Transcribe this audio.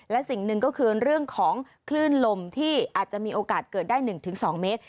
และสิ่งหนึ่งก็คือเรื่องของคลื่นลมที่อาจจะมีโอกาสเกิดได้๑๒เมตร